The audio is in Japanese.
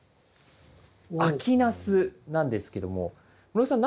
秋ナスなんですけども室井さん